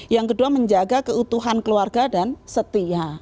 yang kedua menjaga keutuhan keluarga dan setia